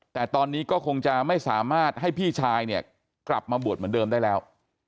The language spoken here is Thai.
แต่ตอนนี้ก็คงจะไม่สามารถให้พี่ชายเนี่ยกลับมาบวชเหมือนเดิมได้แล้ว